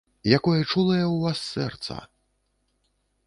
Якое чулае ў вас сэрца!